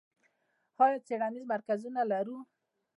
آیا څیړنیز مرکزونه لرو؟